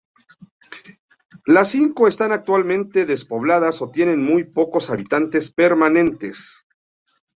Las cinco están actualmente despobladas o tienen muy pocos habitantes permanentes.